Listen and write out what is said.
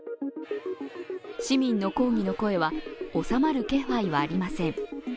市民の抗議の声は収まる気配はありません。